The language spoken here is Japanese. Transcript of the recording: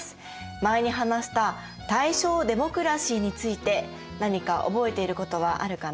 前に話した「大正デモクラシー」について何か覚えていることはあるかな？